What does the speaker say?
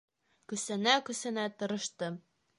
Көсәнә-көсәнә тырыштым.